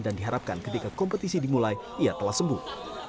dan diharapkan ketika kompetisi dimulai ia telah sembuh